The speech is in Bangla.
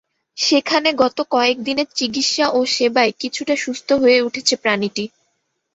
সেখানে গত কয়েক দিনের চিকিৎসা ও সেবায় কিছুটা সুস্থ হয়ে উঠেছে প্রাণীটি।